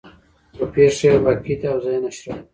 خو پېښه يې واقعي ده او زه یې نشروم.